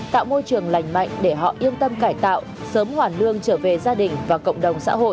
tạo môi trường lành mạnh để họ yên tâm cải tạo sớm hoàn lương trở về gia đình và cộng đồng xã hội